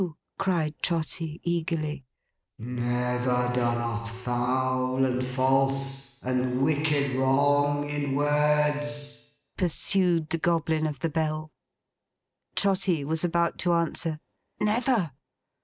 cried Trotty eagerly. 'Never done us foul, and false, and wicked wrong, in words?' pursued the Goblin of the Bell. Trotty was about to answer, 'Never!